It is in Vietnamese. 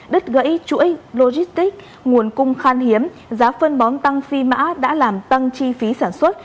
đứt gãy chuỗi logistic nguồn cung khan hiếm giá phân bón tăng phi mã đã làm tăng chi phí sản xuất